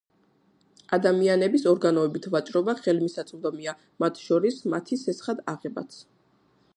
ადამიანების ორგანოებით ვაჭრობა ხელმისაწვდომია, მათ შორის, მათი სესხად აღებაც.